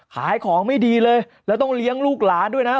ขายของไม่ดีเลยแล้วต้องเลี้ยงลูกหลานด้วยนะ